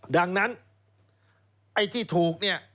ดังนั้นไอ้ที่ถูกเนี่ย